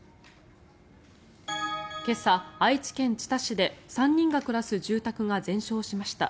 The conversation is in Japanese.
今朝、愛知県知多市で３人が暮らす住宅が全焼しました。